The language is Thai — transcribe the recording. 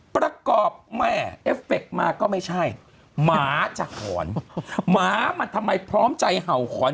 ประกอบแม่เอฟเฟคมาก็ไม่ใช่หมาจะหอนหมามันทำไมพร้อมใจเห่าหอน